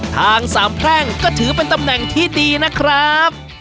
ทางสามแพร่งก็ถือเป็นตำแหน่งที่ดีนะครับ